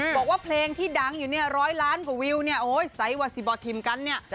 บอกว่าเพลงที่ดังอยู่เนี่ยร้อยล้านกว่าวิวเนี่ยโอ้ยไซสวาซิบอทิมกันเนี่ย